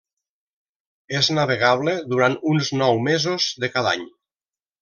És navegable durant uns nou mesos de cada any.